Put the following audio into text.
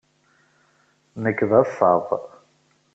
Nekk d asaḍ.